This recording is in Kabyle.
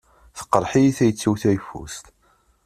Tqerreḥ-iyi tayet-iw tayeffust.